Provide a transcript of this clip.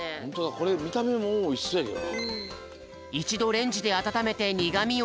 これみためもうおいしそうやけどな。